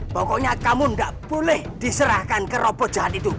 pokoknya kamu gak boleh diserahkan ke ropo jahat itu